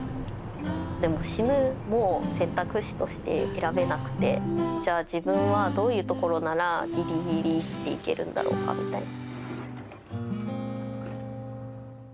「でも死ぬも選択肢として選べなくてじゃあ自分はどういうところならぎりぎり生きていけるんだろうか？みたいな」。